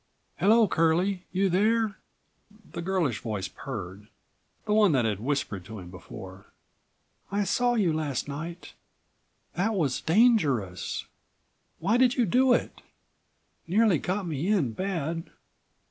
Hello, Curlie, you there?" the girlish voice purred, the one that had whispered to him before. "I saw you to night. That was dangerous. Why did you do it? Nearly got me in bad.